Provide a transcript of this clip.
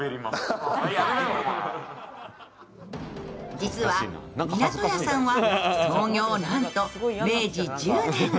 実はみなとやさんは、創業なんと明治１０年。